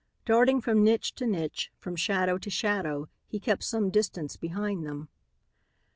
Darting from niche to niche, from shadow to shadow, he kept some distance behind them.